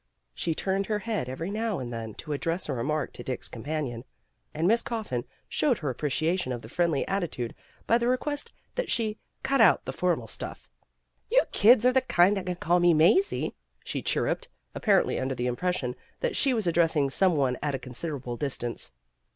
She turned her head every now and then to address a remark to Dick's companion, and Miss Coffin showed her appreciation of the friendly attitude by the request that she "cut out the formal stuff." "You kids are the kind that can call me Mazie," she chirruped, ap parently under the impression that she was ad dressing some one at a considerable distance.